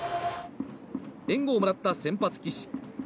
援護をもらった先発、岸。